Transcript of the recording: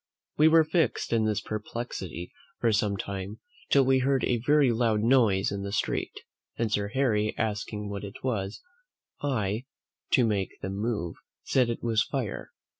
We were fixed in this perplexity for some time, till we heard a very loud noise in the street, and Sir Harry asking what it was, I, to make them move, said it was fire.